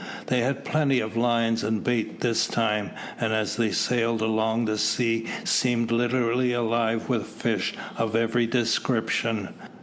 They had plenty of lines and bait this time, and as they sailed along the sea seemed literally alive with fish of every description.